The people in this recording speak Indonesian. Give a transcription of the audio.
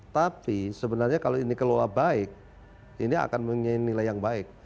tapi sebenarnya kalau ini keluar baik ini akan memiliki nilai yang baik